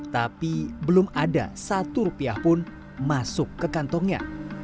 tapi belum ada satu rupiah pun masuk ke kantongnya